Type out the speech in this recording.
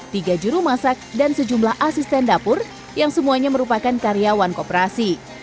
tiga juru masak dan sejumlah asisten dapur yang semuanya merupakan karyawan kooperasi